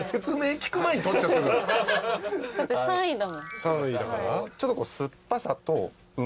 だって３位だもん。